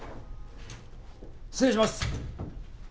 失礼します。